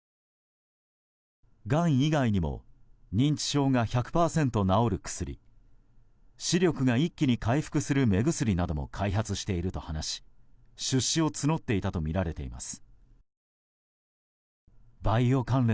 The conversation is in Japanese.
がん以外にも認知症が１００％治る薬視力が一気に回復する目薬なども開発していると話し出資を募っていたとみられています。